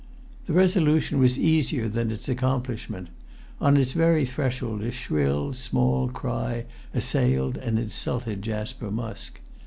The resolution was easier than its accomplishment: on his very threshold a shrill small cry assailed and insulted Jasper Musk.